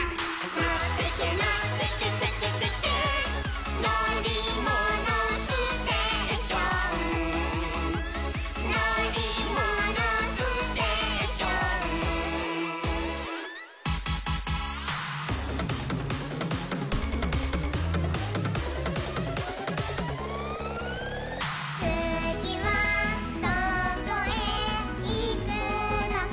「のってけのってけテケテケ」「のりものステーション」「のりものステーション」「つぎはどこへいくのかな」